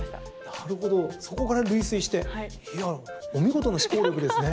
なるほど、そこから類推してお見事な思考力ですね。